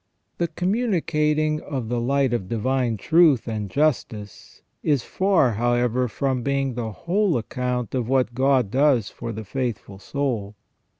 The communicating of the light of divine truth and justice is far, however, from being the whole account of what God does for the faithful soul.